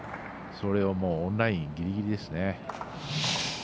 それをオンラインぎりぎりですね。